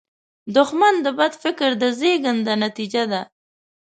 دښمن د بد فکر د زیږنده نتیجه ده